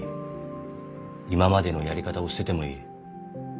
今までのやり方を捨ててもいい。